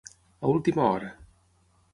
A última hora.